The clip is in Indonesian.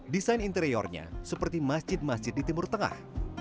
desain interiornya seperti masjid masjid di timur tengah